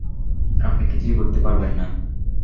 আপনি কিছুই করতে পারবেন না?